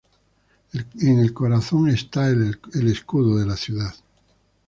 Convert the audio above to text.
En el corazón está el escudo de la ciudad.